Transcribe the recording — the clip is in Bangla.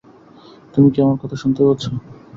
তুমি কি আমার কথা শুনতে পাচ্ছ?